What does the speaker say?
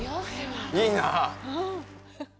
いいなあ。